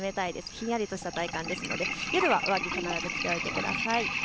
ひんやりとした体感ですので夜は上着必ず着ておいてください。